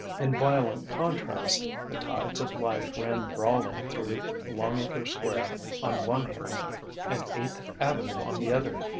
In violent contrast, the tides of life ran brawling through Longacre Square on one hand and Eighth Avenue on the other.